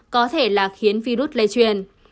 có thể là khiến virus lây truyền